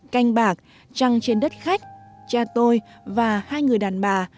canh bạc trăng trên đất khách cha tôi và hai người đàn bà